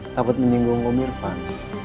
takut menyinggung om irfan